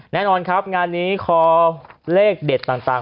แน่นอนครับงานนี้คอเลขเด็ดต่าง